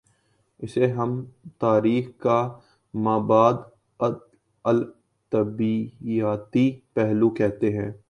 اسے ہم تاریخ کا ما بعد الطبیعیاتی پہلو کہتے ہیں۔